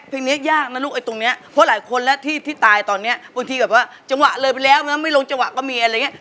นี้ยากนะลูกไอ้ตรงเนี้ยเพราะหลายคนแล้วที่ที่ตายตอนเนี้ยบางทีแบบว่าจังหวะเลยไปแล้วนะไม่ลงจังหวะก็มีอะไรอย่างเงี้